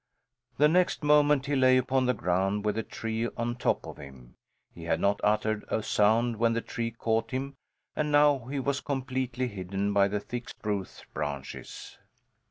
The next moment he lay upon the ground with the tree on top of him. He had not uttered a sound when the tree caught him and now he was completely hidden by the thick spruce branches.